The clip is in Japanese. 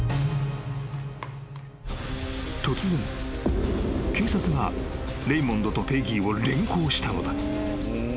［突然警察がレイモンドとペギーを連行したのだ］